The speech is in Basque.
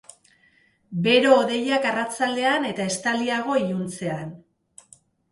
Bero-hodeiak arratsaldean eta estaliago iluntzean.